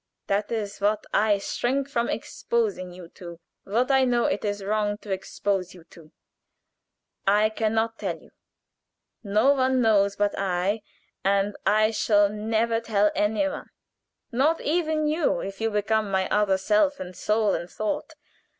That is what I shrink from exposing you to, what I know it is wrong to expose you to. I can not tell you. No one knows but I, and I shall never tell any one, not even you, if you become my other self and soul and thought.